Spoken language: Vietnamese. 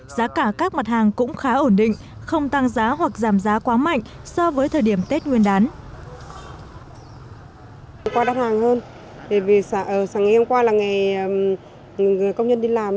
giá cả các mặt hàng cũng khá ổn định không tăng giá hoặc giảm giá quá mạnh so với thời điểm tết nguyên đán